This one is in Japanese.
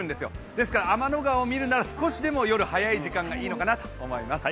ですから天の川を見るなら少しでも夜早い時間がいいかなと思います。